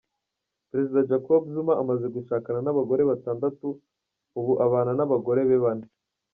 Perezida Jacob Zuma amaze gushakana n’abagore batandatu, ubu abana n’abagore be bane.